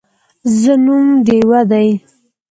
زه نوم ډیوه دی